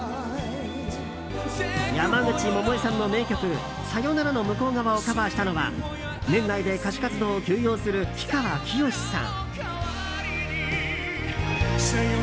山口百恵さんの名曲「さよならの向う側」をカバーしたのは年内で歌手活動を休養する氷川きよしさん。